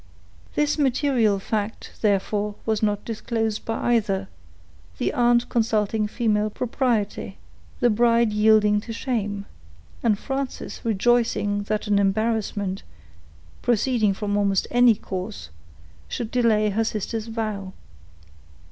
This material fact, therefore, was not disclosed by either; the aunt consulting female propriety; the bride yielding to shame; and Frances rejoicing that an embarrassment, proceeding from almost any cause, should delay her sister's vow.